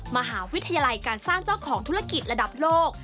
มหาวิทยาลัยการสร้างเจ้าของธุรกิจระดับโลก